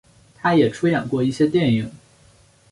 他也出演过一些电影。